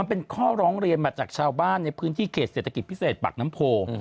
เป็นข้อร้องเรียนมาจากชาวบ้านในพื้นที่เขตเศรษฐกิจพิเศษปากน้ำโพ